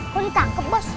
kok ditangkep bos